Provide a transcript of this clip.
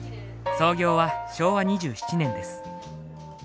創業は昭和２７年です。